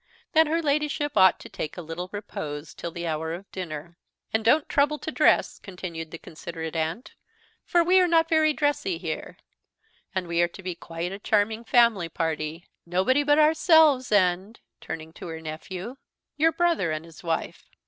_ that her Ladyship ought to take a little repose till the hour of dinner. "And don't trouble to dress," continued the considerate aunt, "for we are not very dressy here; and we are to be quite a charming family party, nobody but ourselves; and," turning to her nephew, "your brother and his wife.